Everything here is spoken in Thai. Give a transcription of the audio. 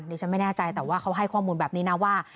ดิฉันไม่แน่ใจแต่ว่าเขาให้ข้อมูลแบบนี้นะว่า